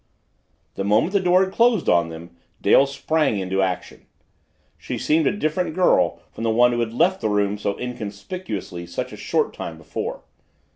The moment the door had closed on them Dale sprang into action. She seemed a different girl from the one who had left the room so inconspicuously such a short time before.